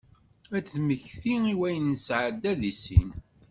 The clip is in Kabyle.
Ad temmekti i wayen i nesɛedda d issin.